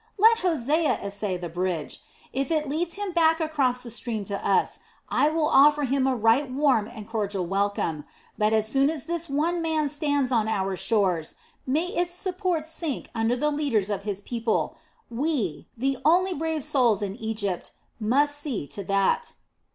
Let Hosea essay the bridge! If it leads him back across the stream to us, I will offer him a right warm and cordial welcome; but as soon as this one man stands on our shores, may its supports sink under the leaders of his people; we, the only brave souls in Egypt, must see to that."